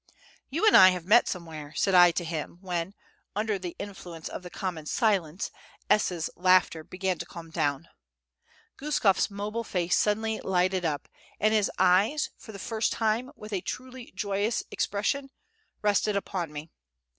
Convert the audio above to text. "You and I have met somewhere," said I to him when, under the influence of the common silence, S.'s laughter began to calm down. Guskof's mobile face suddenly lighted up, and his eyes, for the first time with a truly joyous expression, rested upon me.